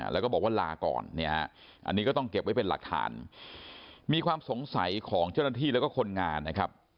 แล้วก็บอกว่าลาก่อนเนี่ยฮะอันนี้ก็ต้องเก็บไว้เป็นหลักฐานมีความสงสัยของเจ้าหน้าที่แล้วก็คนงานนะครับ